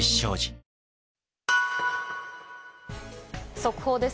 速報です。